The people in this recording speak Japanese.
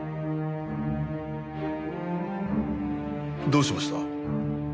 どうしました？